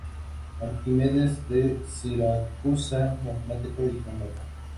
Arquímedes de Siracusa, matemático y geómetra.